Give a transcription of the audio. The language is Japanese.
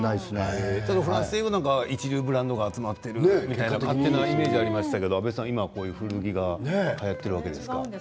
フランスは一流ブランドが集まっているような勝手なイメージがありましたけど今、古着がはやっているんですね。